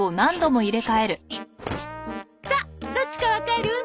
さあどっちかわかる？